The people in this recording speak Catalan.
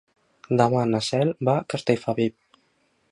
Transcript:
Demà na Cel va a Castellfabib.